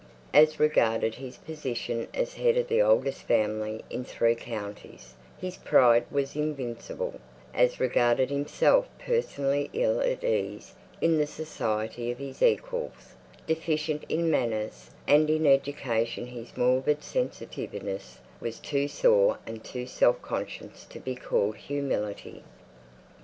As regarded his position as head of the oldest family in three counties, his pride was invincible; as regarded himself personally ill at ease in the society of his equals, deficient in manners, and in education his morbid sensitiveness was too sore and too self conscious to be called humility.